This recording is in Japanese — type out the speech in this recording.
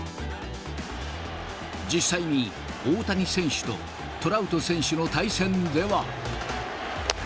実際に大谷選手とトラウト選手の対戦では。